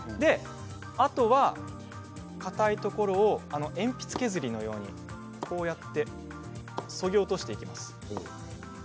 あとはかたいところを鉛筆削りのようにこうやってそぎ落としていきます。